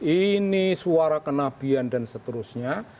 ini suara kenabian dan seterusnya